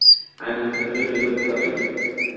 আমি ব্যথা সহ্য করতে পারি না।